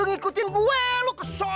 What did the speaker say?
mengikuti gue yuk cara